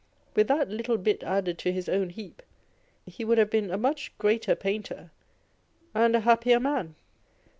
With that little bit added to his own heap, he would have been a much greater painter, and a happier man.